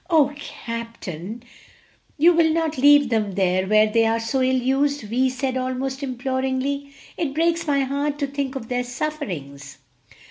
"Oh, captain, you will not leave them there where they are so ill used?" Vi said almost imploringly; "it breaks my heart to think of their sufferings!"